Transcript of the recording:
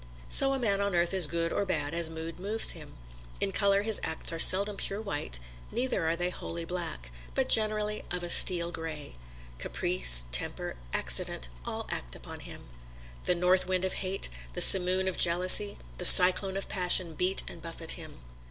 So a man on earth is good or bad as mood moves him; in color his acts are seldom pure white, neither are they wholly black, but generally of a steel gray. Caprice, temper, accident, all act upon him. The North Wind of hate, the Simoon of Jealousy, the Cyclone of Passion beat and buffet him.